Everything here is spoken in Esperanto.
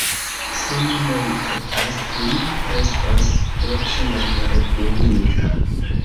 Se mi mortas, li restos do ĉiam nepunita.